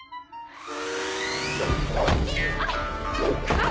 あっ！